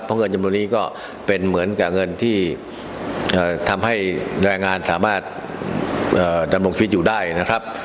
เพราะเงินจำนวนนี้ก็เป็นเหมือนกับเงินที่ทำให้แรงงานสามารถดำรงชีวิตอยู่ได้นะครับ